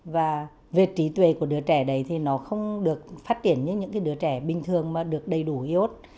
và về trí tuệ của đứa trẻ đấy thì nó không được phát triển như những đứa trẻ bình thường mà được đầy đủ iốt